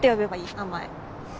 名前。